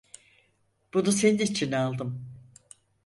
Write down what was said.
Bunu senin için aldım.